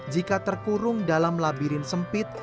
jika terkurung dalam labirin sempit